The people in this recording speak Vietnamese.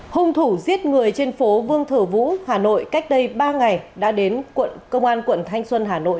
hung thủ giết người trên phố vương thử vũ hà nội cách đây ba ngày đã đến công an quận thanh xuân hà nội